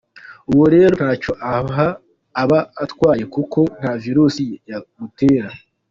Uwo rero ntacyo aba atwaye kuko nta virusi yagutera.